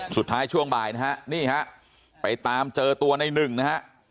ช่วงบ่ายนะฮะนี่ฮะไปตามเจอตัวในหนึ่งนะฮะ